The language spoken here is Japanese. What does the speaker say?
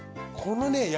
このね